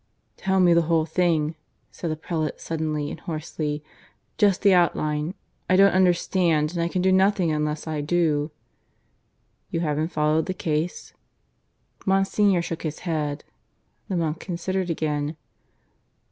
"Tell me the whole thing," said the prelate suddenly and hoarsely. "Just the outline. I don't understand; and I can do nothing unless I do." "You haven't followed the case?" Monsignor shook his head. The monk considered again.